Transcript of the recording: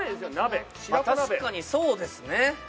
確かにそうですね。